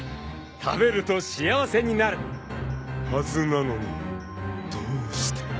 ［食べると幸せになるはずなのにどうして］